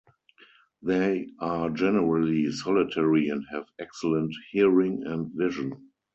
They are generally solitary and have excellent hearing and vision.